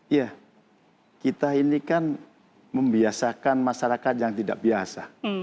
ya kita ini kan membiasakan masyarakat yang tidak biasa